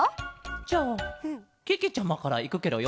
じゃあけけちゃまからいくケロよ。